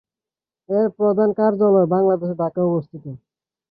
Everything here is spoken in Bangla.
এর প্রধান কার্যালয় বাংলাদেশের ঢাকায় অবস্থিত।